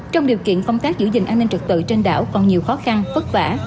trong điều kiện phong tác giữ gìn an ninh trật tự trên đảo còn nhiều khó khăn phất vả